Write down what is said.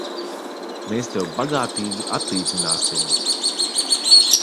Mēs tev bagātīgi atlīdzināsim!